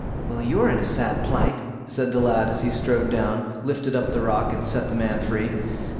"Well! you are in a sad plight", said the lad, as he strode down, lifted up the rock, and set the man free.